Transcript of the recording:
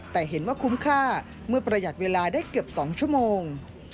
แต่เห็นว่าคุ้มค่าเมื่อประหยัดเวลาได้เกือบ๒ชั่วโมง